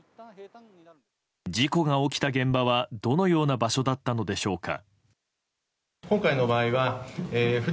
事故が起きた現場は、どのような場所だったのでしょうか。